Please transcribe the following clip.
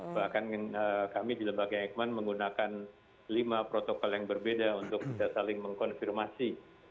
bahkan kami di lembaga eggman menggunakan lima protokol yang berbeda untuk berkonservasi